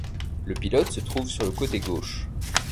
Le pilote se trouve sur le côté gauche.